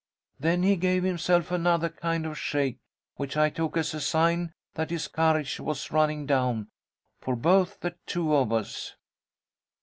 Then he gave himself another kind of shake, which I took as a sign that his courage was running down, 'for both the two of us.'